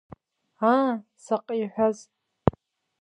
Аа, заҟа иҳәаз!